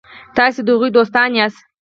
تاسي د هغوی دوستان یاست.